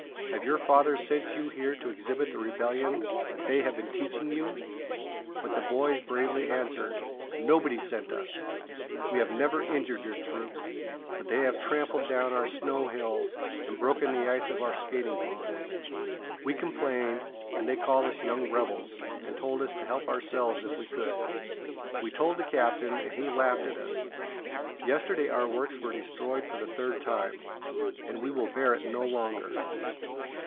Have your fathers sent you here to exhibit the rebellion they have been teaching you?" But the boys bravely answered: "Nobody sent us. We have never injured your troops, but they have trampled down our snow hills and broken the ice of our skating pond. We complained, and they called us young rebels, and told us to help ourselves if we could. We told the captain, and he laughed at us. Yesterday our works were destroyed for the third time, and we will bear it no longer."